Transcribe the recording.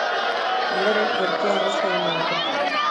Ondoren, gorpua erraustu egingo dute.